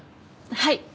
はい。